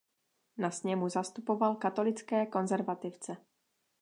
Na sněmu zastupoval katolické konzervativce.